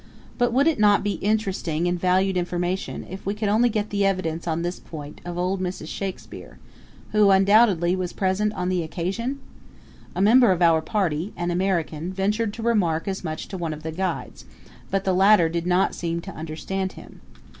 But would it not be interesting and valued information if we could only get the evidence on this point of old Mrs. Shakspere, who undoubtedly was present on the occasion? A member of our party, an American, ventured to remark as much to one of the guides; but the latter did not seem to understand him.